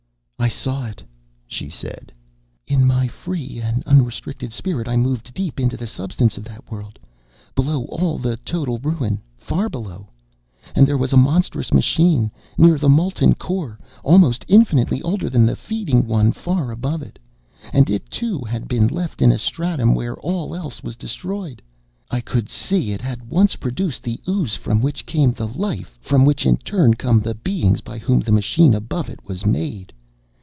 "I saw it," she said. "In my free and unrestricted spirit I moved deep into the substance of that world, below all the total ruin, far below. And there was a monstrous machine, near the molten core, almost infinitely older than the feeding one far above it. And it, too, had been left in a stratum where all else was destroyed. I could see it had once produced the ooze from which came the life from which in turn come the beings by whom the machine above it was made.